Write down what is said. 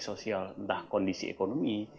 sosial entah kondisi ekonomi